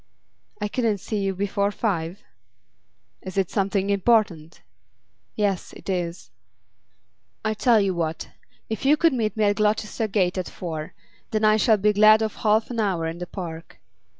'I couldn't see you before five?' 'Is it something important?' 'Yes, it is.' 'I tell you what. If you could meet me at Gloucester Gate at four, then I shall be glad of half an hour in the park.